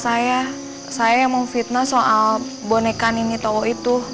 tidak saya mau fitnah soal boneka nini tau itu